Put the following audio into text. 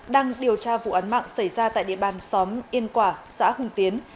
đang điều tra vụ án mạng xảy ra tại địa bàn xóm yên quả xã hùng tiến